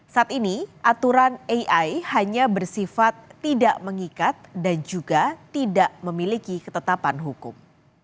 saat ini aturan ai hanya bersifat tidak mengikat dan juga tidak memiliki ketetapan hukum